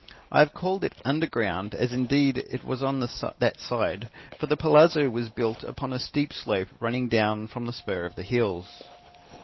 I have called it underground, as indeed it was on that side, for the palazzo was built upon a steep slope running down from the spur of the hills.